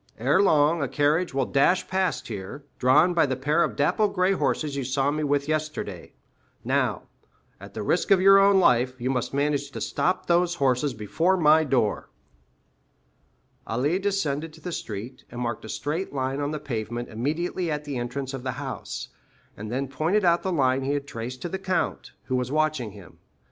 Ere long a carriage will dash past here, drawn by the pair of dappled gray horses you saw me with yesterday; now, at the risk of your own life, you must manage to stop those horses before my door." Ali descended to the street, and marked a straight line on the pavement immediately at the entrance of the house, and then pointed out the line he had traced to the count, who was watching him.